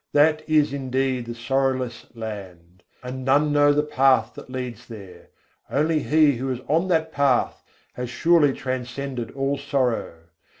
That is indeed the sorrowless land, and none know the path that leads there: Only he who is on that path has surely transcended all sorrow.